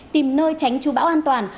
tìm nơi tránh trú bão an toàn